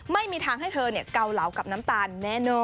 ไม่มีทางให้เธอเกาเหลากับน้ำตาลแน่นอน